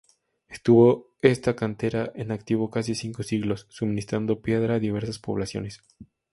Estuvo esta cantera en activo casi cinco siglos, suministrando piedra a diversas poblaciones.